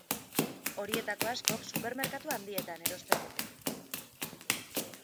Horietako askok supermerkatu handietan erosten dute.